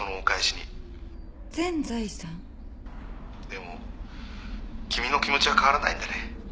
でも君の気持ちは変わらないんだね。